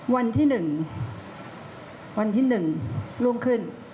วันที่๑วันที่๑รุ่งขึ้น